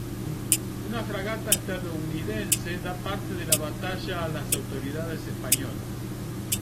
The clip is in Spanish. Una fragata estadounidense da parte de la batalla a las autoridades españolas.